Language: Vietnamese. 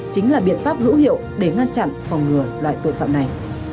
chính là biện pháp hữu hiệu để ngăn chặn phòng ngừa loại tội phạm này